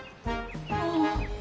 ああ。